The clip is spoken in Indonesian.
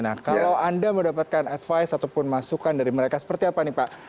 nah kalau anda mendapatkan advice ataupun masukan dari mereka seperti apa nih pak